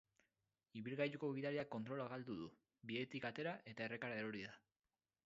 Ibilgailuko gidariak kontrola galdu du, bidetik atera eta errekara erori da.